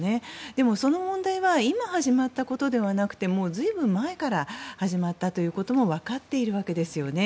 でも、その問題は今始まったことではなく随分前から始まったことも分かっているわけですよね。